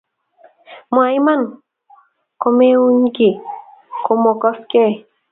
Mwaa iman komeuny kiy komukoksei